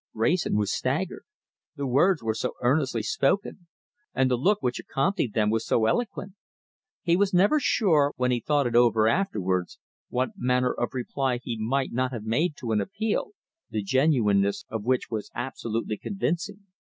Wrayson was staggered, the words were so earnestly spoken, and the look which accompanied them was so eloquent. He was never sure, when he thought it over afterwards, what manner of reply he might not have made to an appeal, the genuineness of which was absolutely convincing.